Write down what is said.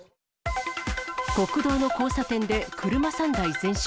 国道の交差点で車３台全焼。